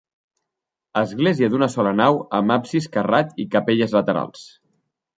Església d'una sola nau amb absis carrat i capelles laterals.